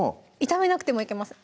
炒めなくてもいけます